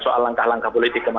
soal langkah langkah boleh dikawal